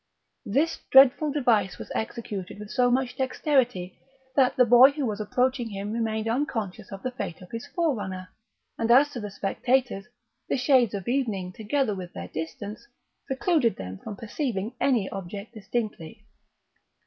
This dreadful device was executed with so much dexterity that the boy who was approaching him remained unconscious of the fate of his forerunner; and as to the spectators, the shades of evening, together with their distance, precluded them from perceiving any object distinctly.